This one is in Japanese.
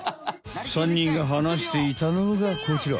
３にんがはなしていたのがこちら！